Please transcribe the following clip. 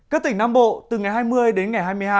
các tỉnh nam bộ từ ngày hai mươi đến ngày hai mươi hai